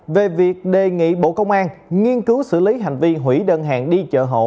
về việc đề nghị bộ công an nghiên cứu xử lý hành vi hủy đơn hàng đi chợ hộ